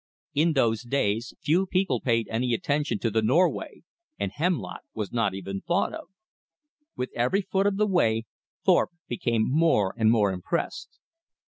In those days few people paid any attention to the Norway, and hemlock was not even thought of. With every foot of the way Thorpe became more and more impressed.